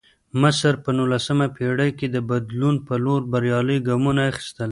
مصر په نولسمه پېړۍ کې د بدلون په لور بریالي ګامونه اخیستل.